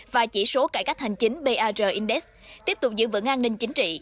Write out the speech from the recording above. và chỉ số cải cách hành chính prr index tiếp tục giữ vững an ninh chính trị